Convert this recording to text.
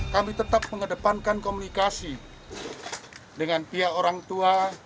kami tetap mengedepankan komunikasi dengan pihak orang tua